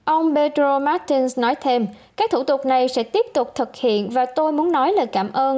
ông petro martins nói thêm các thủ tục này sẽ tiếp tục thực hiện và tôi muốn nói lời cảm ơn